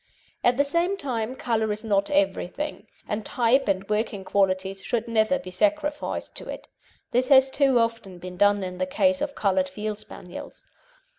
At the same time colour is not everything, and type and working qualities should never be sacrificed to it. This has too often been done in the case of coloured Field Spaniels.